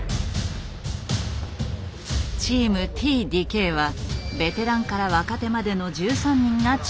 チームＴ・ＤＫはベテランから若手までの１３人が中心メンバー。